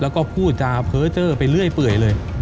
แล้วก็พูดจาเพ้อเจอร์ไปเรื่อยเปื่อยเลย